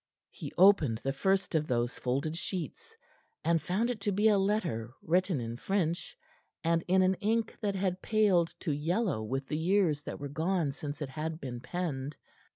He opened the first of those folded sheets, and found it to be a letter written in French and in an ink that had paled to yellow with the years that were gone since it had been penned.